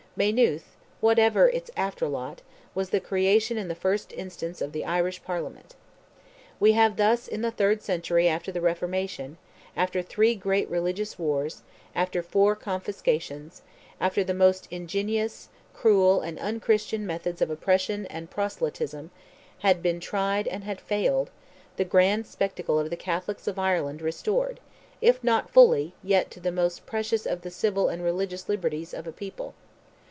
Maynooth, whatever its after lot, was the creation in the first instance of the Irish Parliament. We have thus, in the third century after the reformation, after three great religious wars, after four confiscations, after the most ingenious, cruel, and unchristian methods of oppression and proselytism, had been tried and had failed, the grand spectacle of the Catholics of Ireland restored, if not fully, yet to the most precious of the civil and religious liberties of a people!